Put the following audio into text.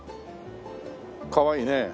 かわいいね。